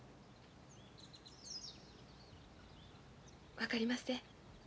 分かりません。